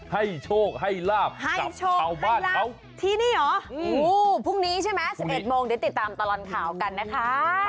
ให้โชคให้ลาบให้โชคชาวบ้านเขาที่นี่เหรอพรุ่งนี้ใช่ไหม๑๑โมงเดี๋ยวติดตามตลอดข่าวกันนะคะ